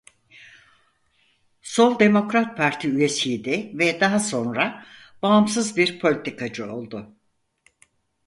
Sol Demokrat Parti üyesiydi ve daha sonra Bağımsız bir politikacı oldu.